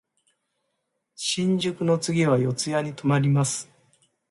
新宿の次は四谷に止まります。